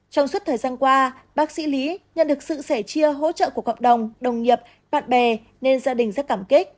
trong suốt thời gian qua bác sĩ lý nhận được sự sẻ chia hỗ trợ của cộng đồng đồng nghiệp bạn bè nên gia đình rất cảm kích